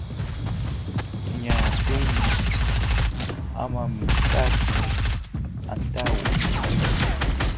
Ñaateni amanitaki antawo